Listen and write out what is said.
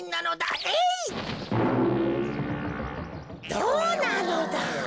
どうなのだ。